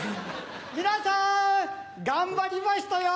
皆さん頑張りましたよ！